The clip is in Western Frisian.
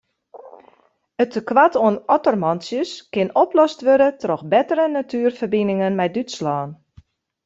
It tekoart oan ottermantsjes kin oplost wurde troch bettere natuerferbiningen mei Dútslân.